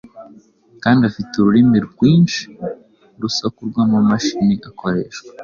kandi afite urumuri rwinshi, urusaku rw’amamashini akoreshwa